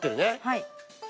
はい。